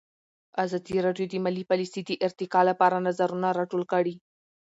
ازادي راډیو د مالي پالیسي د ارتقا لپاره نظرونه راټول کړي.